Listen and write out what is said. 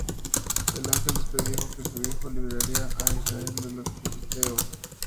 El ángel les predijo que su hijo "liberaría a Israel de los filisteos".